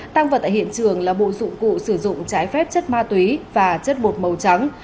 tăng vật tại hiện trường là bộ dụng cụ sử dụng trái phép chất ma túy và chất bột màu trắng